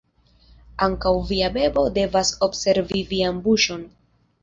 Ankaŭ via bebo devas observi vian buŝon.